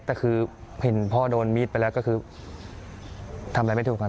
แต่คือเห็นพ่อโดนมีดไปแล้วก็คือทำอะไรไม่ถูกครับ